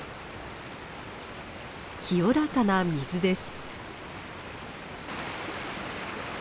清らかな水です。